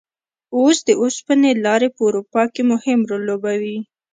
اوس د اوسپنې لارې په اروپا کې مهم رول لوبوي.